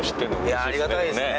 いやあありがたいですね。